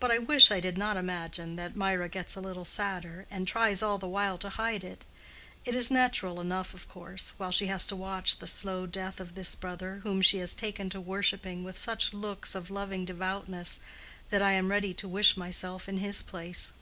But I wish I did not imagine that Mirah gets a little sadder, and tries all the while to hide it. It is natural enough, of course, while she has to watch the slow death of this brother, whom she has taken to worshipping with such looks of loving devoutness that I am ready to wish myself in his place.